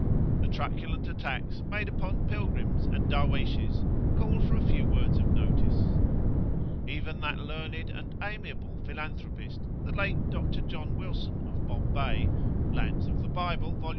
The truculent attacks made upon pilgrims and Darwayshes call for a few words of notice. Even that learned and amiable philanthropist, the late Dr. John Wilson of Bombay ("Lands of the Bible," vol.